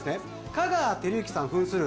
香川照之さん扮する